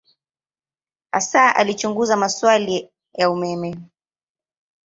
Hasa alichunguza maswali ya umeme.